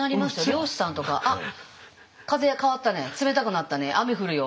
漁師さんとか「あっ風変わったね冷たくなったね雨降るよ」